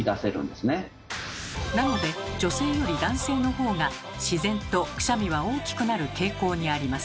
なので女性より男性のほうが自然とくしゃみは大きくなる傾向にあります。